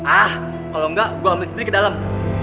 ah kalau enggak gue ambil sendiri ke dalam